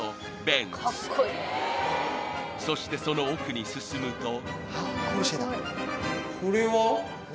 ［そしてその奥に進むと］